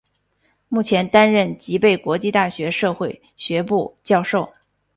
目前担任吉备国际大学社会学部教授。